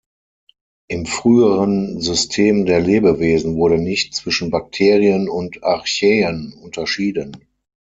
Im früheren System der Lebewesen wurde nicht zwischen Bakterien und Archaeen unterschieden.